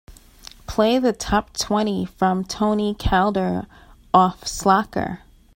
Play the top-twenty from Tony Calder off Slacker.